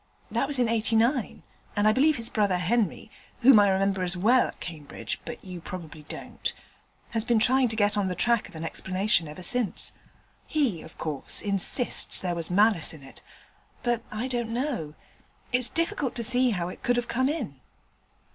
That was in '89, and I believe his brother Henry (whom I remember as well at Cambridge, but you probably don't) has been trying to get on the track of an explanation ever since. He, of course, insists there was malice in it, but I don't know. It's difficult to see how it could have come in.'